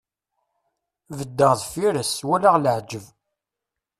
Beddeɣ deffir-s, walaɣ leɛǧeb.